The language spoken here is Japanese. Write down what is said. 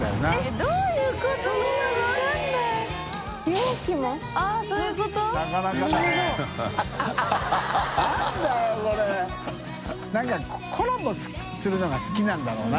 燭世茵海譟燭コラボするのが好きなんだろうな。